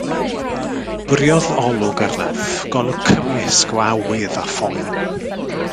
Bwriodd olwg arnaf, golwg cymysg o awydd a phoen.